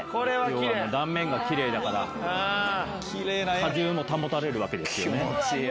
要は断面がきれいだから果汁も保たれるわけですよね。